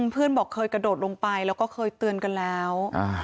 เพื่อนบอกเคยกระโดดลงไปแล้วก็เคยเตือนกันแล้ว